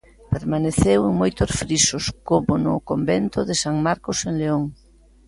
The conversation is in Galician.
Permaneceu en moitos frisos, como no convento de San Marcos en León.